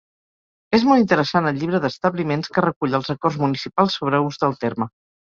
És molt interessant el Llibre d'Establiments que recull els acords municipals sobre ús del terme.